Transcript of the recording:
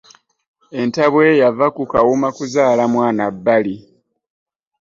Entabwe yava ku Kawuma kuzaala mwana bbali.